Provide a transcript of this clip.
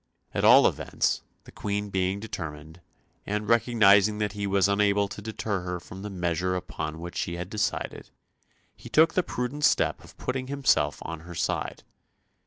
At all events, the Queen being determined, and recognising that he was unable to deter her from the measure upon which she had decided, he took the prudent step of putting himself on her side.